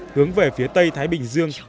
hướng về phía tây thái bình dương